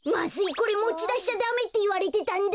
これもちだしちゃダメっていわれてたんだ。